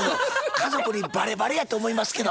家族にバレバレやと思いますけど。